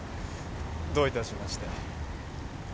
どういたしまして。